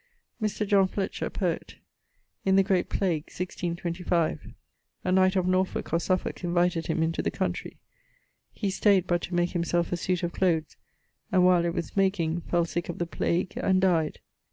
Mr. John Fletcher, poet: in the great plague, 1625, a knight of Norfolk (or Suffolke) invited him into the countrey. He stayed but to make himselfe a suite of cloathes, and while it was makeing, fell sick of the plague and dyed.